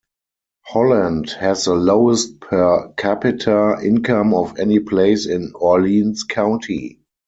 Holland has the lowest per capita income of any place in Orleans County.